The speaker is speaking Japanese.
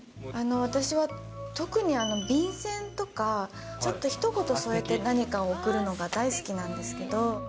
私は特に便箋とか、ちょっとひと言添えて何かを送るのが大好きなんですけど。